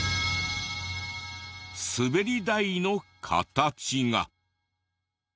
滑り台の形が。